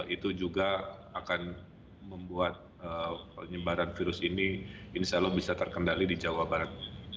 itu juga akan membuat penyebaran virus ini insya allah bisa terkendali di jawa barat